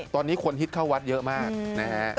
ตอนนี้คนฮิตเข้าวัดเยอะมากนะฮะ